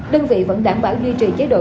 đơn vị vẫn đảm bảo duy trì chế độ